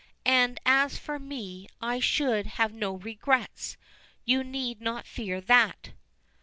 And as for me, I should have no regrets. You need not fear that."